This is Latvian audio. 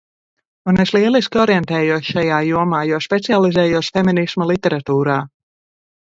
Un es lieliski orientējos šajā jomā, jo specializējos feminisma literatūrā!